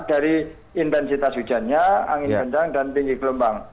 dari intensitas hujannya angin kencang dan tinggi gelombang